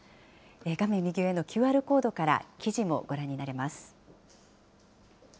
画面右上のＱＲコードから、記事もご覧になれます。